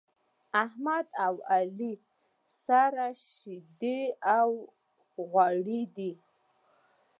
احمد او علي سره شيدې او غوړي دی.